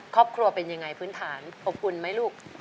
ครอบครัวเป็นยังไงพื้นฐานอบอุ่นไหมลูก